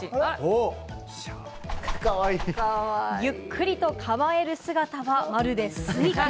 ゆっくりと構える姿は、まるで酔拳。